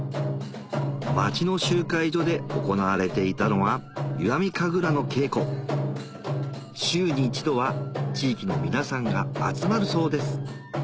町の集会所で行われていたのは週に１度は地域の皆さんが集まるそうです